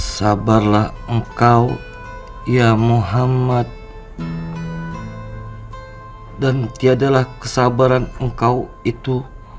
sabarlah engkau ya muhammad dan tiadalah kesabaran engkau itu